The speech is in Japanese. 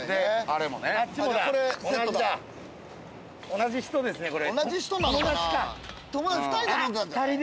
同じ人ですねこれ。